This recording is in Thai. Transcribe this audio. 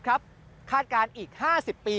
กลับวันนั้นไม่เอาหน่อย